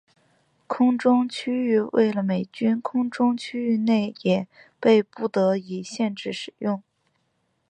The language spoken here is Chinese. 空中区域为了美军空中区域内也被不得已限制使用。